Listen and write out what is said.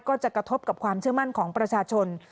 ก็จะกระทบกับความเชื่อมั่นของประชาชน